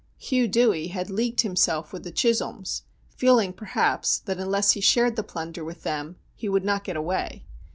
Hugh Dewey had leagued himself with the Chisholms, feel ing, perhaps, that unless he shared the plunder with them he would not get away.